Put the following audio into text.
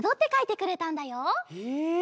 へえ！